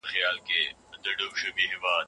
د بهرنیو تګلاري موخي تل عملي بڼه نه نیسي.